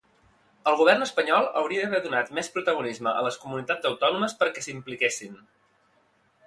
El govern espanyol hauria d'haver donat més protagonisme a les comunitats autònomes perquè s'impliquessin.